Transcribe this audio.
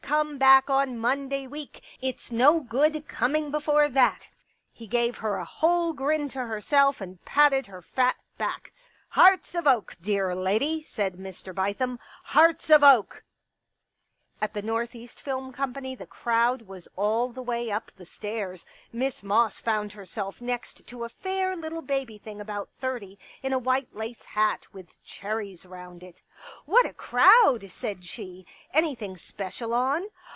Come back on Monday week ; it*s no good coming before that." He gave her a whole grin to herself and patted her fat back. " Hearts 6f oak, dear lady," said Mr. Bithem, " hearts of oak !" At the North East Film Company the crowd was all the way up the stairs. Miss Moss fourKl herself next to a fair little baby thing about thirty in a white lace hat with cherries round it. " What a crowd !" said she. " Anything special on?"